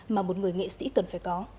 mà một người nghệ sĩ cần phải có